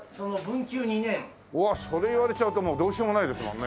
うわっそれ言われちゃうともうどうしようもないですもんね。